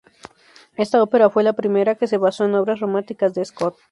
Esta ópera fue la primera que se basó en obras románticas de Scott.